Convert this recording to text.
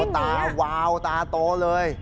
ตาวาวตาโตเลย